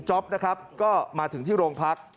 จ๊อปนะครับก็มาถึงที่โรงพัก